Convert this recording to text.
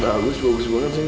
bagus bagus banget sih